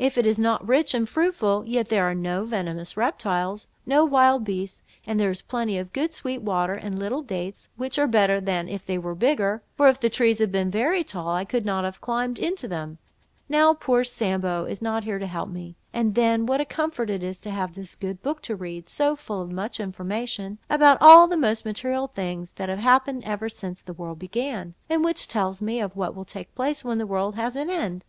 If it is not rich and fruitful, yet there are no venomous reptiles, no wild beasts, and there is plenty of good sweet water, and little dates, which are better than if they were bigger; for if the trees had been very tall, I could never have climbed into them, now poor Sambo is not here to help me—and then, what a comfort it is to have this good book to read, full of so much information, about all the most material things that have happened ever since the world began, and which tells me of what will take place when the world has an end!